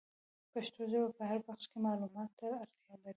پښتو ژبه په هر بخش کي معلوماتو ته اړتیا لري.